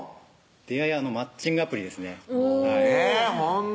出会いはマッチングアプリですね